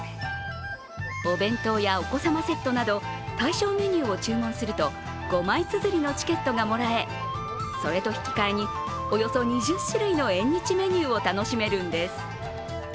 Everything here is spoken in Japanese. お弁当やお子様セットなど、対象メニューを注文すると５枚つづりのチケットがもらえそれと引き換えにおよそ２０種類の縁日メニューを楽しめるんです。